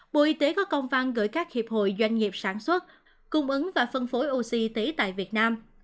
bộ y tế có công văn gửi các hiệp hội doanh nghiệp sản xuất cung ứng và phân phối oxy tại việt nam